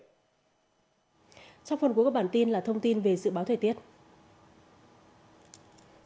trong phần cuối của bản tin là thông tin về dự báo thời tiết